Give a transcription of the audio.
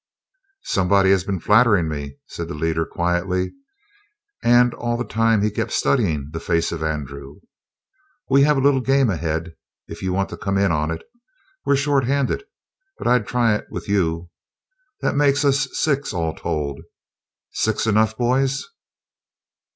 "Somebody has been flattering me," said the leader quietly, and all the time he kept studying the face of Andrew. "We have a little game ahead, if you want to come in on it. We're shorthanded, but I'd try it with you. That makes us six all told. Six enough, boys?"